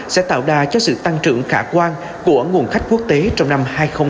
sẽ tạo đà cho sự tăng trưởng khả quan của nguồn khách quốc tế trong năm hai nghìn hai mươi